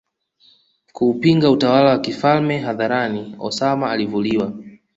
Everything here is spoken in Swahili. kuupinga utawala wa kifalm hadharani Osama alivuliwa